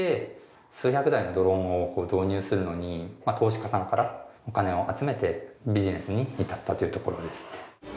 数百台のドローンを導入するのに投資家さんからお金を集めてビジネスに至ったというところですね。